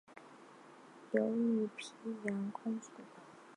有女沘阳公主。